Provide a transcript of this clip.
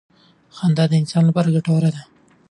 خندا د انسان لپاره ګټوره ده.